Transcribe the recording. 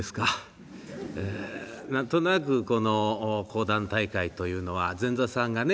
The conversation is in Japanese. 何となくこの講談大会というのは前座さんがね